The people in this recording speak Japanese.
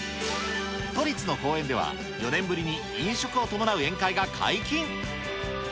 都立の公園では、４年ぶりに飲食を伴う宴会が解禁。